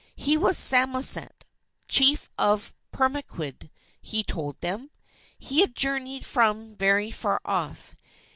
He was Samoset, Chief of Pemaquid, he told them. He had journeyed from very far off.